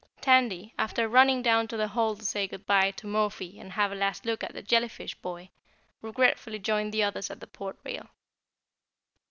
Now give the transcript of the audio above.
Tandy, after running down to the hold to say goodbye to Mo fi and have a last look at the jellyfish boy, regretfully joined the others at the port rail.